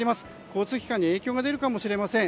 交通機関に影響が出るかもしれません。